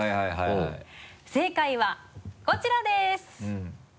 正解はこちらです。